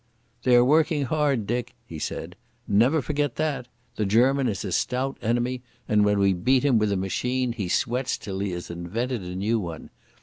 "They are working hard, Dick," he said. "Never forget that. The German is a stout enemy, and when we beat him with a machine he sweats till he has invented a new one.